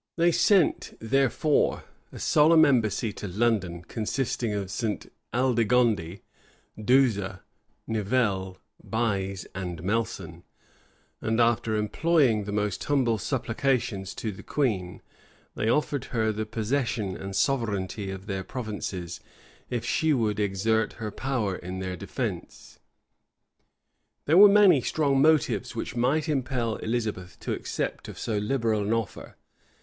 They sent, therefore, a solemn embassy to London, consisting of St. Aldegonde, Douza, Nivelle, Buys, and Melsen; and after employing the most humble supplications to the queen, they offered her the possession and sovereignty of their provinces, if she would exert her power in their defence. There were many strong motives which might impel Elizabeth to accept of so liberal an offer.